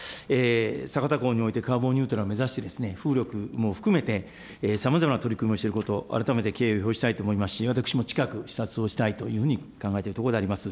酒田港においてカーボンニュートラルを目指して、風力も含めて、さまざまな取り組みをしていること、改めて敬意を表したいと思いますし、私も近く、視察をしたいというふうに考えているところであります。